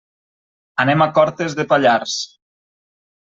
Anem a Cortes de Pallars.